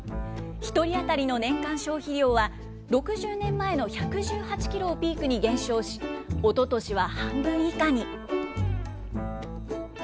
１人当たりの年間消費量は、６０年前の１１８キロをピークに減少し、おととしは半分以下に。